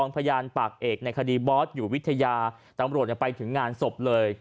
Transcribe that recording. พยานปากเอกในคดีบอสอยู่วิทยาตำรวจไปถึงงานศพเลย